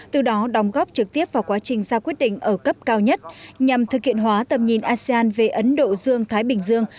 từ đó đóng góp trực tiếp vào quá trình ra quyết định ở cấp cao nhất nhằm thực hiện hóa tầm nhìn asean về ấn độ dương thái bình dương